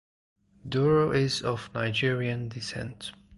Doro is of Nigerian descent.